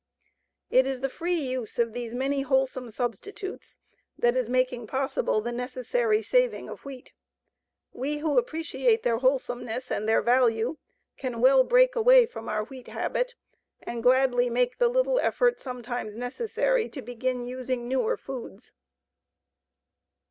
It is the free use of these many wholesome substitutes that is making possible the necessary saving of wheat. We who appreciate their wholesomeness and their value can well break away from our wheat habit and gladly make the little effort sometimes necessary to begin using newer foods.